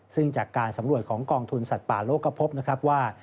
ซึ่งจากการสำรวจของกองทุนสัตว์ป่าโลกก็พบนะครับว่า